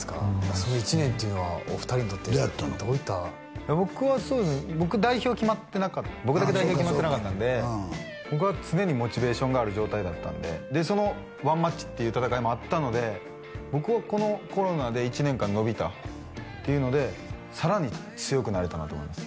その１年というのはお二人にとってどういった僕は僕代表決まってなかった僕だけ代表決まってなかったんで僕は常にモチベーションがある状態だったんででそのワンマッチっていう戦いもあったので僕はこのコロナで１年間延びたっていうのでさらに強くなれたなと思います